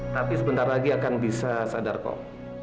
tapi sebentar lagi akan bisa sadar kok